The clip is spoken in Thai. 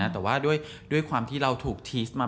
แต่ว่าด้วยความที่เราถูกทีสมา